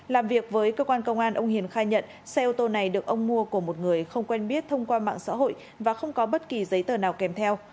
làm việc với cơ quan công an ông hiền khai nhận xe ô tô này được ông mua của một người không quen biết thông qua mạng xã hội và không có bất kỳ giấy tờ nào kèm theo